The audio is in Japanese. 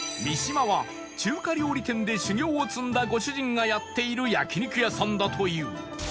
ミシマは中華料理店で修業を積んだご主人がやっている焼肉屋さんだという